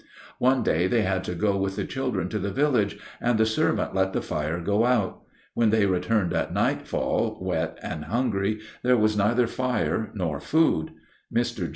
One day they had to go with the children to the village, and the servant let the fire go out. When they returned at nightfall, wet and hungry, there was neither fire nor food. Mr.